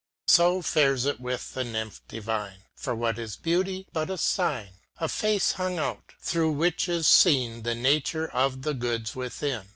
So fares it with the nymph divine j For what is Beauty but a Sign? A face hung out, thro' which is feen The nature of the goods within.